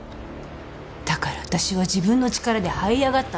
だから私は自分の力で這い上がったの。